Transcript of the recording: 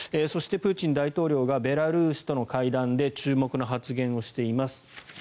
そして、プーチン大統領がベラルーシとの会談で注目の発言をしています。